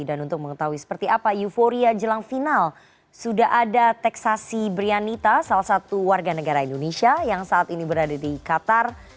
dan untuk mengetahui seperti apa euforia jelang final sudah ada teksasi brianita salah satu warga negara indonesia yang saat ini berada di qatar